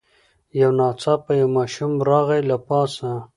یو ناڅاپه یو ماشوم راغی له پاسه